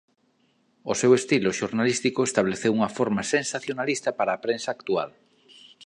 O seu estilo xornalístico estableceu unha forma sensacionalista para a prensa actual.